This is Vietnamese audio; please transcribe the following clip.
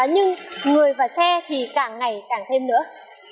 nhưng người và xe thì càng ngày càng thêm nữa